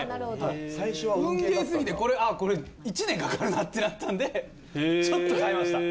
運ゲーすぎてこれ１年かかるなってなったんでちょっと変えました。